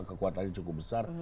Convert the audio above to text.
kekuatannya cukup besar